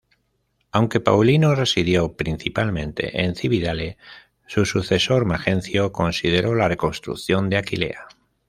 Aunque Paulino residió principalmente en Cividale, su sucesor Majencio consideró la reconstrucción de Aquilea.